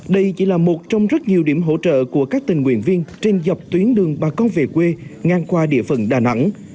đây chỉ là một trong rất nhiều điểm hỗ trợ của các tình nguyện viên trên dọc tuyến đường bà con về quê ngang qua địa phận đà nẵng